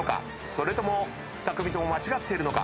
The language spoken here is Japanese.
それとも２組とも間違っているのか。